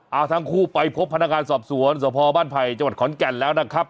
เอาทั้งคู่ไปพบพนักงานสอบสวนสพบ้านไผ่จังหวัดขอนแก่นแล้วนะครับ